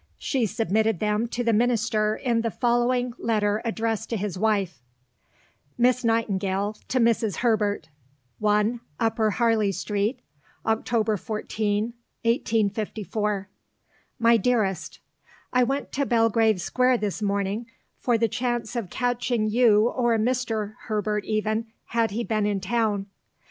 She submitted them to the Minister in the following letter addressed to his wife: (Miss Nightingale to Mrs. Herbert.) 1 UPPER HARLEY STREET, October 14 . MY DEAREST I went to Belgrave Square this morning for the chance of catching you or Mr. Herbert even, had he been in town.